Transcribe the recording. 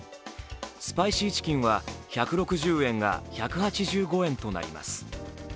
スパイシーチキンは１６０円が１８５円となります。